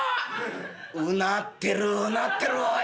「うなってるうなってるおい。